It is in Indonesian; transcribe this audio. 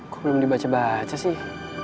kok belum dibaca baca sih